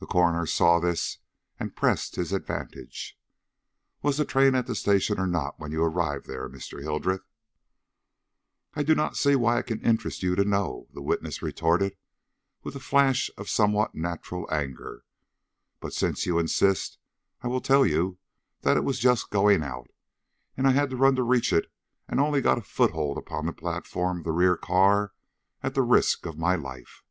The coroner saw this and pressed his advantage. "Was the train at the station or not when you arrived there, Mr. Hildreth?" "I do not see why it can interest you to know," the witness retorted, with a flash of somewhat natural anger; "but since you insist, I will tell you that it was just going out, and that I had to run to reach it, and only got a foothold upon the platform of the rear car at the risk of my life."